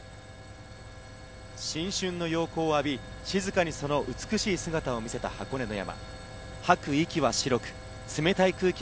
新春の陽光を浴び、静かにその美しい姿を見せた箱根の山。